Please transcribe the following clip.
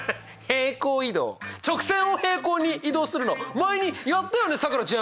直線を平行に移動するの前にやったよね